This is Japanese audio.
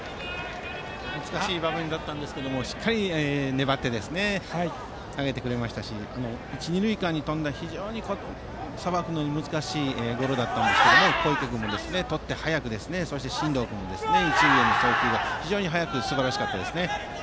難しい場面だったんですがしっかり粘って投げてくれましたし一、二塁間に飛んだ非常にさばくのが難しいゴロでしたが小池君もとって、早くそして真藤君も一塁への送球が非常に早くすばらしかったですね。